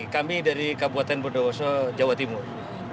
kami dari kabupaten bondowoso jawa timur